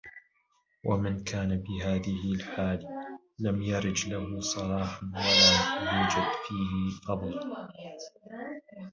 وَمَنْ كَانَ بِهَذِهِ الْحَالِ لَمْ يُرْجَ لَهُ صَلَاحٌ وَلَمْ يُوجَدْ فِيهِ فَضْلٌ